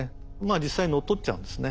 実際乗っ取っちゃうんですね。